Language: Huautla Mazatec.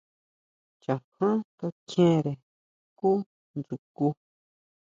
Chaján kakjiénre xkú dsjukʼu.